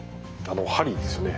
鍼ですよね。